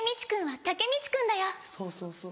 そうそうそう。